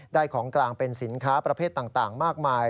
ของกลางเป็นสินค้าประเภทต่างมากมาย